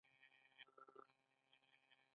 معتدله هوا یې لرله او له سترګو یې هم پناه وه.